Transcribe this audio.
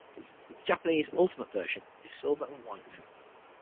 The Japanese "Ultimate Version" is silver and white.